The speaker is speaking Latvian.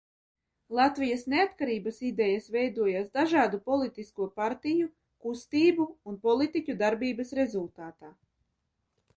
Latvijas neatkarības idejas veidojās dažādu politisko partiju, kustību un politiķu darbības rezultātā.